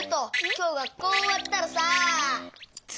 きょうがっこうおわったらさ。